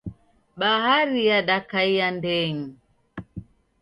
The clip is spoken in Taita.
Bahari yadakaia ndenyi.